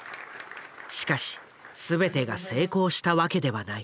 しかし全てが成功したわけではない。